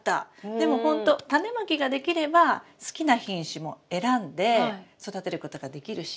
でもほんとタネまきができれば好きな品種も選んで育てることができるし。